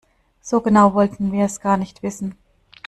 So genau wollten wir es gar nicht wissen.